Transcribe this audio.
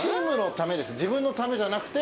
自分のためじゃなくて。